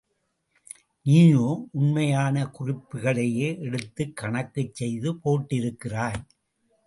நீயோ, உண்மையான குறிப்புகளையே எடுத்துக் கணக்குச் செய்து போட்டிருக்கிறாய்.